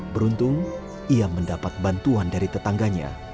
beruntung ia mendapat bantuan dari tetangganya